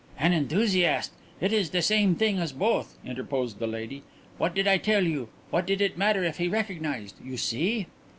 "An enthusiast it is the same thing as both," interposed the lady. "What did I tell you? What did it matter if he recognized? You see?"